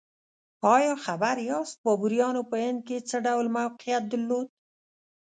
ایا خبر یاست بابریانو په هند کې څه ډول موقعیت درلود؟